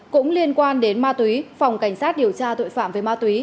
cũng liên quan đến ma túy phòng cảnh sát điều tra tội phạm về ma túy